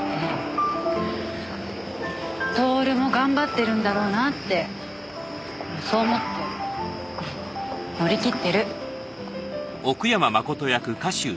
享も頑張ってるんだろうなってそう思って乗り切ってる。